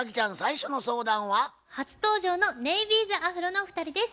初登場のネイビーズアフロのお二人です。